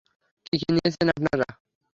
কী কী নিয়েছেন আপনারা?